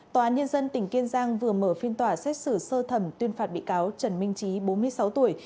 tòa án nhân dân tỉnh kiên giang vừa mở phiên tòa xét xử sơ thẩm tuyên phạt bị cáo trần minh trí bốn mươi sáu tuổi